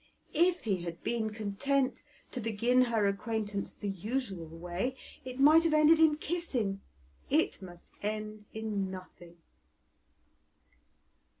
If he had been content to begin her acquaintance the usual way it might have ended in kissing; it must end in nothing.